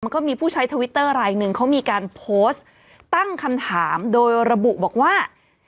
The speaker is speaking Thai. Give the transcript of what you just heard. ก็มีผู้ใช้ทวิตเตอร์รายหนึ่งเขามีการโพสต์ตั้งคำถามโดยระบุบอกว่า